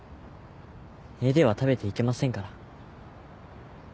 絵では食べていけませんから。